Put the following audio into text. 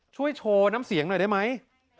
ช่วยโชว์น้ำเสียงหน่อยได้ไหม